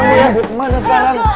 mau ya kemana sekarang